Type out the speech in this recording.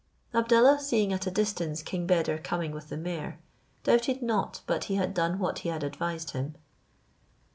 Abdallah seeing at a distance King Beder coming with the mare, doubted not but he had done what he had advised him.